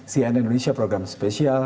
cna indonesia program spesial